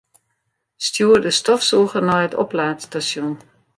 Stjoer de stofsûger nei it oplaadstasjon.